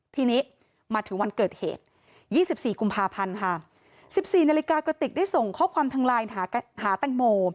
ทีนี้มาถึงวันเกิดเหตุ๒๔กุมภาพันธ์ค่ะ๑๔นาฬิกากระติกได้ส่งข้อความทางไลน์หาแตงโม